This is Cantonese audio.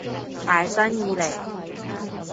大生意嚟